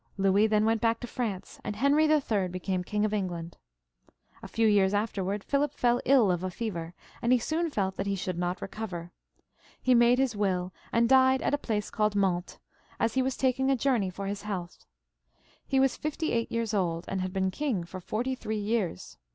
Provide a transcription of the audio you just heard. Louis then went back to France, and Henry HI. became King of England. A few years after Philip fell ill of a fever, and he soon felt that he should not recover. He made his will and died at a place called * Mantes, as he was tdking a journey for his health. He was fifty eight years old, and had been king for forty three years.